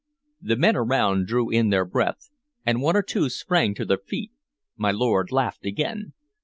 The men around drew in their breath, and one or two sprang to their feet. My lord laughed again.